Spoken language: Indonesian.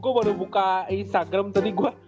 gue baru buka instagram tadi gue